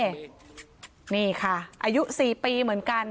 นี่ค่ะอายุ๔ปีเหมือนกัน